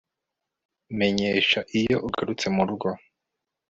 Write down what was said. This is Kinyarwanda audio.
Menyesha iyo ugarutse murugo